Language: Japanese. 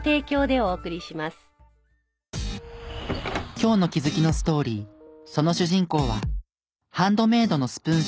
今日の気づきのストーリーその主人公はハンドメイドのスプーン